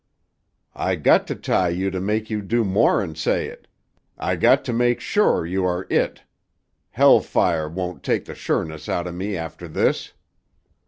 "I got to tie you to make you do more'n say it. I got to make sure you are it. Hell fire won't take the sureness out of me after this."